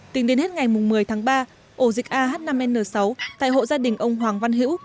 tính đến hết ngày một mươi tháng ba ổ dịch ah năm n sáu tại hộ gia đình ông hoàng văn hữu